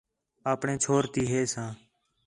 آپݨے چھور تی ہِے ساں